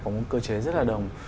có một cơ chế rất là đồng